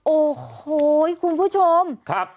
โอ้โหคุณผู้ชมครับ